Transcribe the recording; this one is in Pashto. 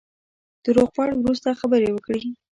د روغبړ وروسته خبرې وکړې.